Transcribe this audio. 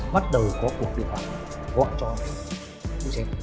bắt đầu có cuộc điện thoại gọi cho xe